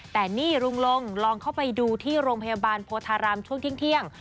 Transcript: แต่นี่ลุงลงลองเข้าไปดูที่โรงพยาบาลโพธารามช่วงเที่ยง